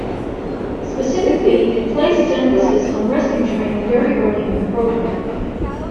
Specifically it places emphasis on rescue training very early in the programme.